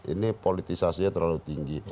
ini politisasinya terlalu tinggi